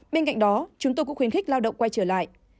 bên cạnh đó chúng tôi cũng khuyến khích lao động quay trở lại